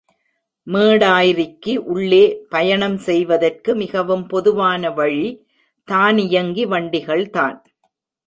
மேடாய்ரிக்கு உள்ளே பயணம் செய்வதற்கு மிகவும் பொதுவான வழி தானியங்கி வண்டிகள் தான்.